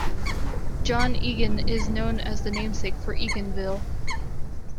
John Egan is known as the namesake for Eganville.